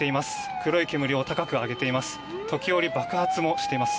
黒い煙を高く上げています。